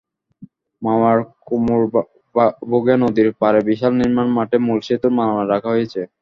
মাওয়ার কোমারভোগে নদীর পারে বিশাল নির্মাণ মাঠে মূল সেতুর মালামাল রাখা হয়েছে।